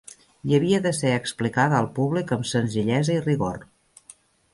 I havia de ser explicada al públic amb senzillesa i rigor.